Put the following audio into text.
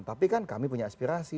tapi kan kami punya aspirasi